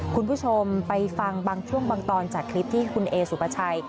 คุณผู้ชมไปฟังบางช่วงบางตอนจากคลิปที่คุณเอสุปชัย